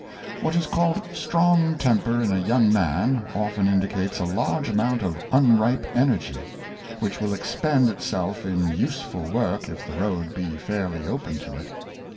What is called strong temper in a young man, often indicates a large amount of unripe energy, which will expend itself in useful work if the road be fairly opened to it.